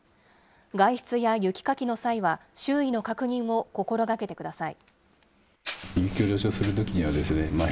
外出や雪かきの際は周囲の確認を心がけてください。